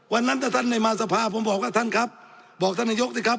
วันนั้นถ้าท่านได้มาสภาผมบอกว่าท่านครับบอกท่านนายกสิครับ